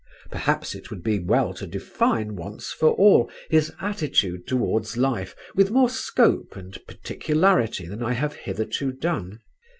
Perhaps it would be well to define once for all his attitude towards life with more scope and particularity than I have hitherto done.